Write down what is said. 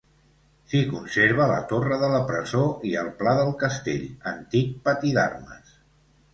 S'hi conserva la Torre de la Presó i el Pla del Castell, antic pati d'armes.